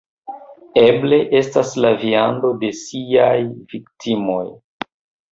Eble, estas la viando de siaj viktimoj